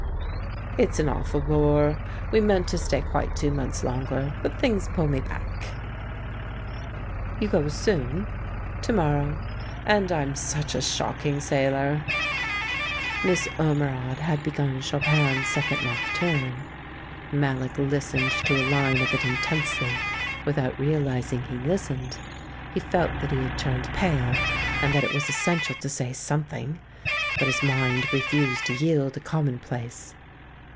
"It's an awful bore; we meant to stay quite two months longer. But things pull me back." 1 ou go soon i "To morrow. And I'm such a shocking sailor.'* Miss Ormerod had begun Chopin's Second Nocturne. Mallock listened to a line of it in tensely, without realising he listened. He felt that he had turned pale, and that it was essential to say something; but his mind refused to yield a commonplace.